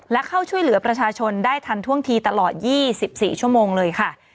และเข้าช่วยเหลือประชาชนได้ทันท่วงทีตลอด๒๔ชั่วโมงเลยค่ะ